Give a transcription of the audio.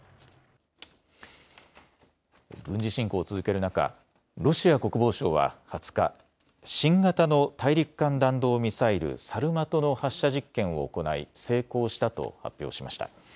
軍事侵攻を続ける中、ロシア国防省は２０日、新型の大陸間弾道ミサイルサルマトの発射実験を行い成功したと発表しました。